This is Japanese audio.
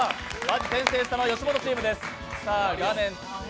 先制したのは吉本チームです。